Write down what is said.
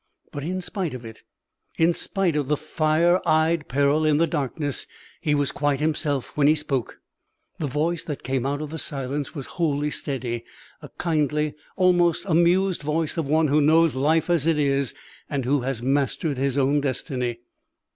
But in spite of it, in spite of the fire eyed peril in the darkness, he was quite himself when he spoke. The voice that came out of the silence was wholly steady a kindly, almost amused voice of one who knows life as it is and who has mastered his own destiny.